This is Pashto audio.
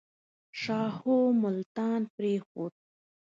شاهو ملتان پرېښود.